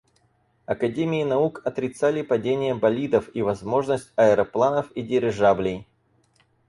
Академии наук отрицали падение болидов и возможность аэропланов и дирижаблей.